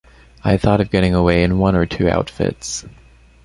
I had thought of getting away in one or two outfits.